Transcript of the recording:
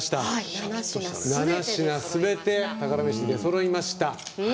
７品すべて宝メシ出そろいました。